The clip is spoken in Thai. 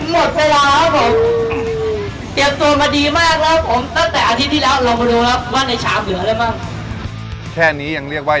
เริ่มแล้วเปลี่ยนอย่างทิศปั๊มนะครับผม